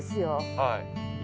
はい。